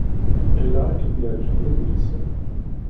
Ɣileɣ ad kem-yeɛjeb udlis-a.